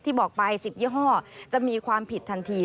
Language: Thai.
บอกไป๑๐ยี่ห้อจะมีความผิดทันที